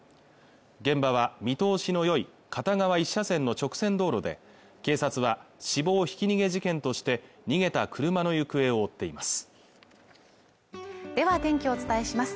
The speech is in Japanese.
現場は見通しのよい片側１車線の直線道路で警察は死亡ひき逃げ事件として逃げた車の行方を追っていますでは天気をお伝えします